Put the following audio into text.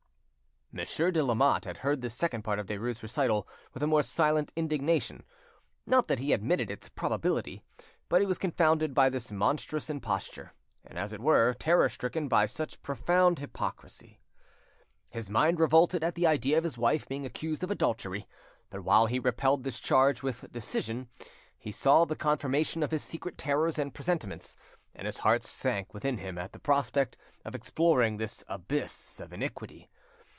Monsieur de Lamotte had heard this second part of Derues' recital with a more silent indignation, not that he admitted its probability, but he was confounded by this monstrous imposture, and, as it were, terror stricken by such profound hypocrisy. His mind revolted at the idea of his wife being accused of adultery; but while he repelled this charge with decision, he saw the confirmation of his secret terrors and presentiments, and his heart sank within him at the prospect of exploring this abyss of iniquity.